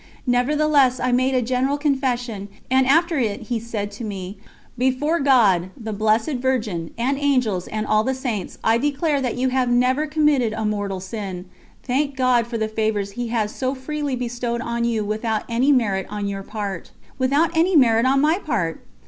Nevertheless I made a general confession, and after it he said to me: "Before God, the Blessed Virgin, and Angels, and all the Saints, I declare that you have never committed a mortal sin. Thank God for the favours He has so freely bestowed on you without any merit on your part." Without any merit on my part!